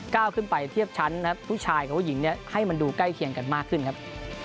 ก้าวขึ้นไปเทียบชั้นนะครับผู้ชายกับผู้หญิงเนี่ยให้มันดูใกล้เคียงกันมากขึ้นครับ